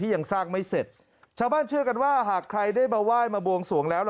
ยังสร้างไม่เสร็จชาวบ้านเชื่อกันว่าหากใครได้มาไหว้มาบวงสวงแล้ว